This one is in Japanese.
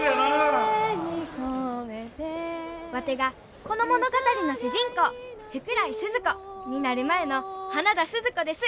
「胸にこめて」ワテがこの物語の主人公福来スズ子！になる前の花田鈴子です！